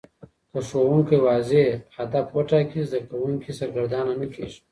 که ښوونکی واضح هدف وټاکي، زده کوونکي سرګردانه نه کېږي.